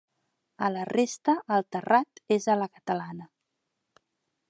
A la resta el terrat és a la catalana.